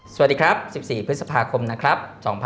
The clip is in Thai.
สวัสดีครับ๑๔พฤษภาคมนะครับ